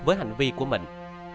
với hành vi của mình